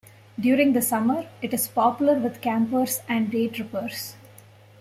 During the summer, it is popular with campers and day-trippers.